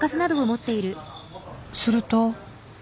すると。